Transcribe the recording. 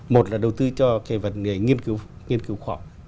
một là đầu tư cho cái vấn đề nghiên cứu khó